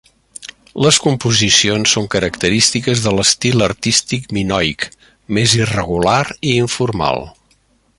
Les composicions són característiques de l'estil artístic minoic, més irregular i informal.